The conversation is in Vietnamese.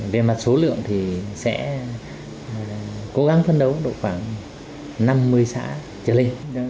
về mặt số lượng thì sẽ cố gắng phân đấu độ khoảng năm mươi xã trở lên